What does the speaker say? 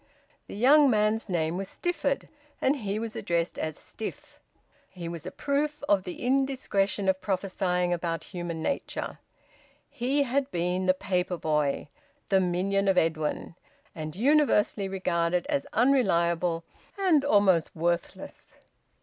The young man's name was Stifford, and he was addressed as `Stiff.' He was a proof of the indiscretion of prophesying about human nature. He had been the paper boy, the minion of Edwin, and universally regarded as unreliable and almost worthless.